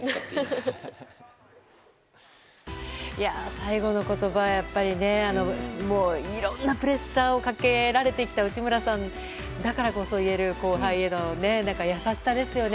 最後の言葉、やっぱりねいろんなプレッシャーをかけられてきた内村さんだからこそ言える後輩への優しさですね。